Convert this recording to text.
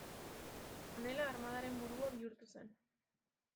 Honela, armadaren burua bihurtu zen.